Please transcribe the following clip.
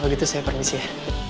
belok dari acara pinter